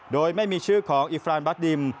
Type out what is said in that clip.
โดยไม่มีชื่อของอิฟรานบัดดิม